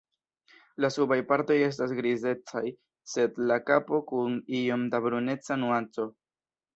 La subaj partoj estas grizecaj, sed la kapo kun iom da bruneca nuanco.